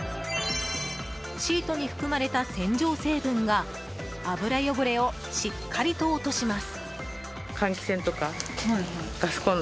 シートに含まれた洗浄成分が油汚れをしっかりと落とします。